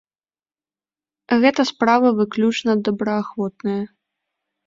Гэта справа выключна добраахвотная.